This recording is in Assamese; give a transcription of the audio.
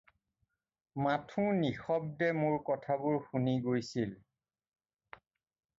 মাথোঁ নিশব্দে মোৰ কথাবোৰ শুনি গৈছিল।